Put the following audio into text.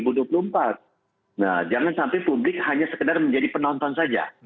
nah jangan sampai publik hanya sekedar menjadi penonton saja